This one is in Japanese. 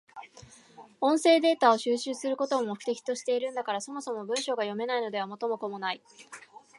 音声データを収集することを目的としているんだから、そもそも文章が読めないのでは元も子もない。